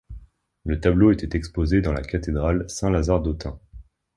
Le tableau était exposé dans la cathédrale Saint-Lazare d'Autun.